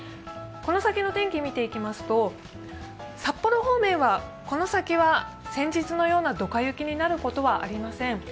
この先の天気見ていきますと札幌方面はこの先は先日のようなどか雪になることはありません。